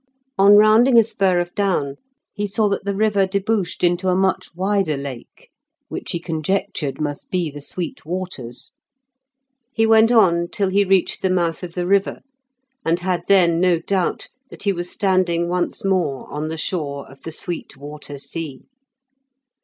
On rounding a spur of down he saw that the river debouched into a much wider lake, which he conjectured must be the Sweet Waters. He went on till he reached the mouth of the river, and had then no doubt that he was standing once more on the shore of the Sweet Water sea.